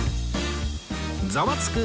『ザワつく！